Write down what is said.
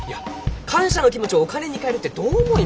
感謝の気持ちをお金に代えるってどう思います？